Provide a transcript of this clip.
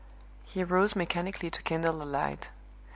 He rose mechanically to kindle a light.